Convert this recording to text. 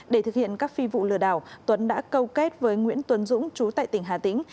để thực hiện các phi vụ lừa đảo tuấn đã câu kết với nguyễn tuấn dũng chú tại tỉnh hà tĩnh